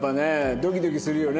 ドキドキするよね。